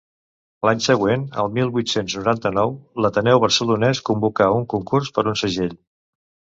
L'any següent, el mil vuit-cents noranta-nou, l'Ateneu Barcelonès convoca un concurs per un segell.